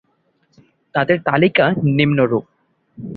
তাদের তালিকা নিম্নরূপঃ-